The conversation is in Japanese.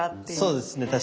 そうですね